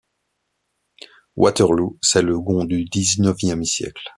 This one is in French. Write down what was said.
Waterloo, c’est le gond du dix-neuvième siècle.